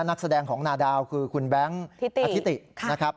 นักแสดงของนาดาวคือคุณแบงค์อธิตินะครับ